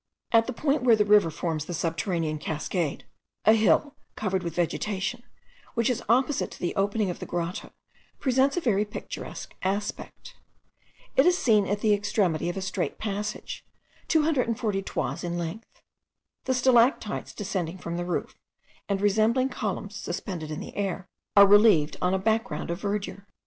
At the point where the river forms the subterranean cascade, a hill covered with vegetation, which is opposite to the opening of the grotto, presents a very picturesque aspect. It is seen at the extremity of a straight passage, 240 toises in length. The stalactites descending from the roof, and resembling columns suspended in the air, are relieved on a back ground of verdure.